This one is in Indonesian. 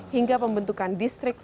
hingga pembentukan distrik fashion